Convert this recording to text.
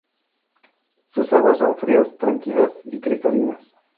Sus aguas son frías, tranquilas y cristalinas.